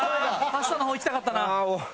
パスタの方いきたかったな。